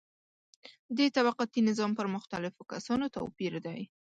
د طبقاتي نظام پر مختلفو کسانو توپیر دی.